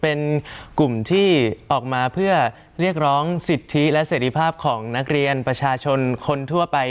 ออกมาเพื่อเรียกร้องสิทธิและสถิภาพของนักเรียนประชาชนคนทั่วไป